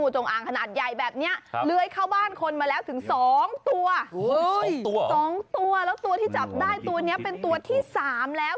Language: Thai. ๒ตัวเหรอ๒ตัวแล้วตัวที่จับได้ตัวนี้เป็นตัวที่๓แล้ว